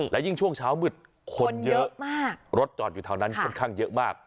และยิ่งช่วงเช้ามืดคนเยอะมากรถจอดอยู่แถวนั้นค่อนข้างเยอะมาก